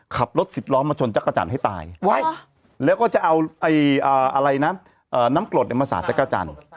ขับรถสิบล้อมาชนจักรจันทร์ให้ตายว่ะแล้วก็จะเอาไออ่าอะไรนะเอ่อน้ำกลดเนี้ยมาสระจักรจันทร์